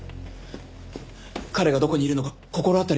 彼がどこにいるのか心当たりありますよね？